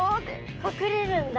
隠れるんだ。